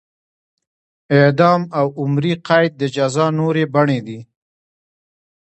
اعدام او عمري قید د جزا نورې بڼې دي.